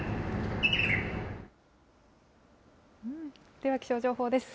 では、気象情報です。